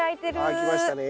あきましたね。